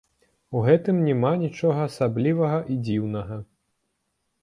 У гэтым няма нічога асаблівага і дзіўнага.